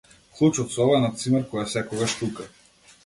Клуч од соба на цимер кој е секогаш тука.